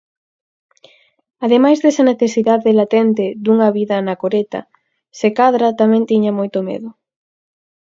Ademais desa necesidade latente dunha vida anacoreta, se cadra tamén tiña moito medo.